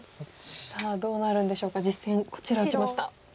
さあどうなるんでしょうか実戦こちら打ちました。